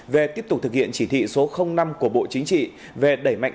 về tiếp tục thực hiện chỉ thị số năm của bộ chính trị về đẩy mạnh